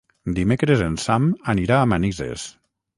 Dimecres en Sam anirà a Manises.